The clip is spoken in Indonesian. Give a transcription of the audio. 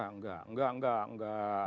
enggak enggak enggak